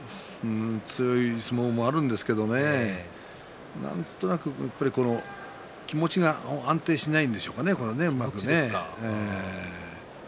強い相撲もあるんですけど、何となく気持ちが安定しないでしょうかねうまく。